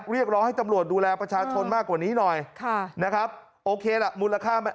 เรียกรอให้ตำรวจดูแลประชาชนมากกว่านี้หน่อยมูลค่ามันอาจจะไม่เยอะ